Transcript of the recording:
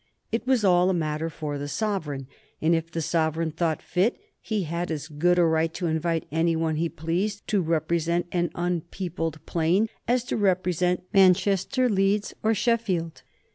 It was all a matter for the sovereign, and if the sovereign thought fit he had as good a right to invite any one he pleased to represent an unpeopled plain as to represent Manchester, Leeds, or Sheffield.